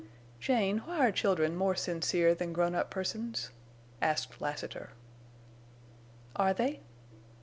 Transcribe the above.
"Jane, why are children more sincere than grown up persons?" asked Lassiter. "Are they?"